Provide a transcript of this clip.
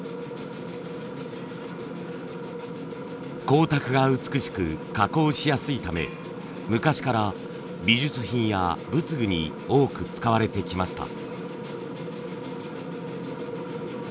光沢が美しく加工しやすいため昔から美術品や仏具に多く使われてきました。